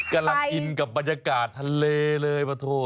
กำลังอินกับบรรยากาศทะเลเลยปะโถ